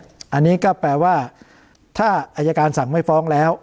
อันนี้ก็แปลว่าถ้าอายการสั่งไม่ฟ้องแล้ว